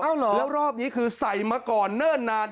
อ้าวเหรอแล้วรอบนี้คือใส่มาก่อนเนิ่นนาน